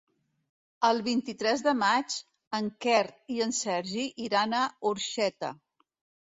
El vint-i-tres de maig en Quer i en Sergi iran a Orxeta.